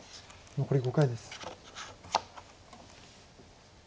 残り５回です。